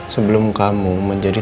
sebelum kamu menjadi